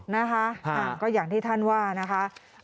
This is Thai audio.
นะคะก็อย่างที่ท่านว่านะคะ